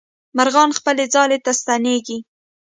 مرغان خپل ځالې ته ستنېږي.